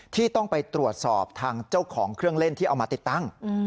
ที่ต้องไปตรวจสอบทางเจ้าของเครื่องเล่นที่เอามาติดตั้ง